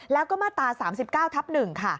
แล้วก็มาตรา๓๙ทับ๑ค่ะ